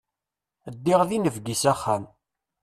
Ddiɣ d inebgi s axxam.